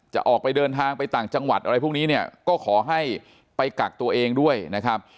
จะออกไปเดินทางไปต่างจังหวัดอะไรพวกนี้เนี่ยก็ขอให้ไปกักตัวเองด้วยนะครับ